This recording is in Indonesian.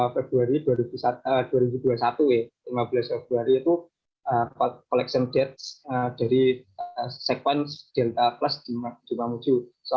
februari dua ribu dua puluh satu ya lima belas februari itu collection date dari sekuens delta plus di mamuju